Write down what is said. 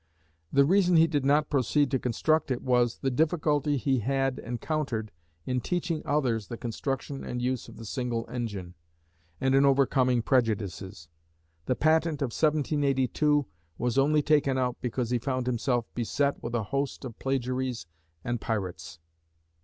The reason he did not proceed to construct it was "the difficulty he had encountered in teaching others the construction and use of the single engine, and in overcoming prejudices"; the patent of 1782 was only taken out because he found himself "beset with a host of plagiaries and pirates."